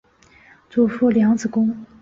祖父梁子恭。